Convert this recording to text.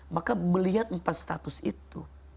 maka melihat empat status itu